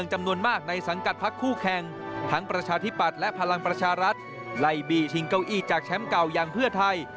ชิงเก้าอี้จากแชมป์เก่ายังเพื่อไทย